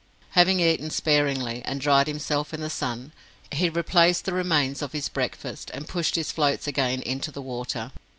Having eaten sparingly, and dried himself in the sun, he replaced the remains of his breakfast, and pushed his floats again into the water.